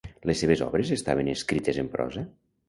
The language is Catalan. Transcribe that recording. Les seves obres estaven escrites en prosa?